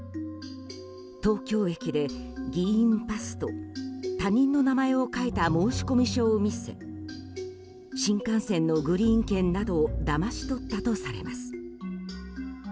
東京駅で議員パスと他人の名前を書いた申込書を見せ新幹線のグリーン券などをだまし取ったとされます。